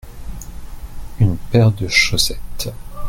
une paire de chaussettes.